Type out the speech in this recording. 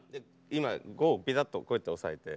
今五をピタッとこうやって押さえて。